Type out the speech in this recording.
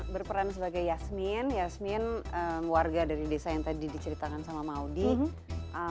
berperan sebagai yasmin yasmin warga dari desa yang tadi diceritakan sama maudie